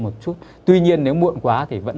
một chút tuy nhiên nếu muộn quá thì vẫn